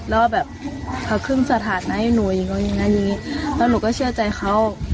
แล้วแบบเขาขึ้นสถานะให้หนูอย่างนู้นอย่างงั้นอย่างงี้แล้วหนูก็เชื่อใจเขา